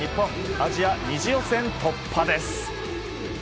アジア２次予選突破です。